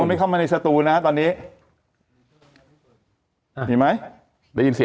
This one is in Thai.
ของเขาเข้ามันไหนสะตูนะครับตอนนี้